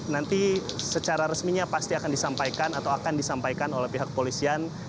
nanti secara resminya pasti akan disampaikan atau akan disampaikan oleh pihak polisian